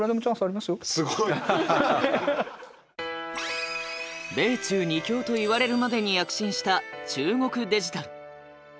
すごい。米中２強と言われるまでに躍進した中国デジタル。